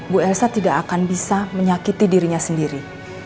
bu elsa tidak akan bisa menyakiti dirinya sendiri